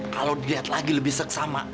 kalo diliat lagi lebih seksama